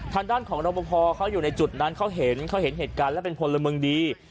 ทางด้านของรบพอเขาอยู่ในจุดนั้นเขาเห็นเขาเห็นเหตุการณ์และเป็นพลเมืองดี